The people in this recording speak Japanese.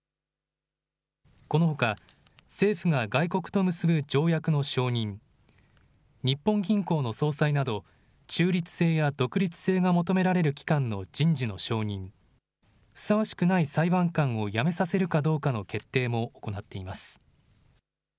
このほか、政府が外国と結ぶ条約の承認、日本銀行の総裁など、中立性や独立性が求められる機関の人事の承認、ふさわしくない裁判官を辞めさせるかどうかの決定も行っています。